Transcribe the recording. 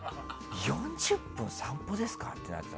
４０分散歩ですかって。